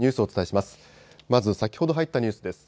まず先ほど入ったニュースです。